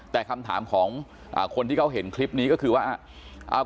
แต่คำถามของคนที่เขาเห็นคลิปนี้ก็คือว่า